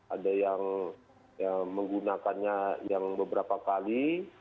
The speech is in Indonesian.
ada yang menggunakannya yang beberapa kali